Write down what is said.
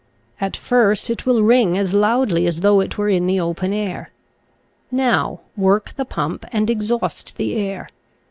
At first it will ring as loudly as though it were in the open air. Now, work the pump and exhaust the air.